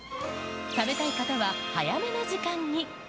食べたい方は早めの時間に。